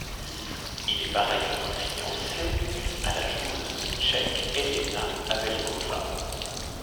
Il est par ailleurs fiancée à la joueuse tchèque Helena Havelková.